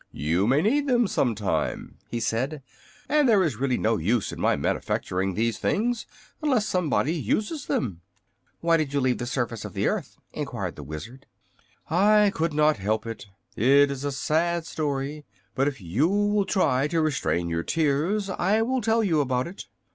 "You may need them, some time," he said, "and there is really no use in my manufacturing these things unless somebody uses them." "Why did you leave the surface of the earth?" enquired the Wizard. "I could not help it. It is a sad story, but if you will try to restrain your tears I will tell you about it.